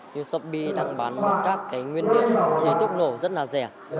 như shopee đang bán các cái nguyên liệu chế thuốc nổ rất là rẻ